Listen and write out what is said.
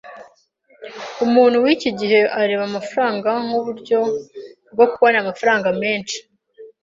Umuntu wiki gihe areba amafaranga nkuburyo bwo kubona amafaranga menshi.